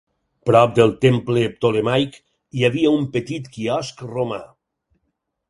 Prop del temple ptolemaic hi havia un petit quiosc romà.